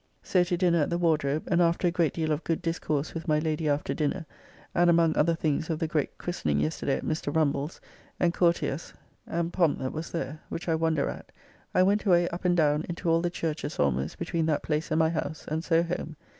So to dinner at the Wardrobe, and after a great deal of good discourse with my Lady after dinner, and among other things of the great christening yesterday at Mr. Rumbell's, and courtiers and pomp that was there, which I wonder at, I went away up and down into all the churches almost between that place and my house, and so home.